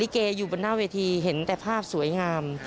เกย์อยู่บนหน้าเวทีเห็นแต่ภาพสวยงาม